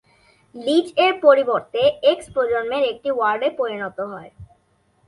লিচ এর পরিবর্তে এক্স প্রজন্মের একটি ওয়ার্ডে পরিণত হয়।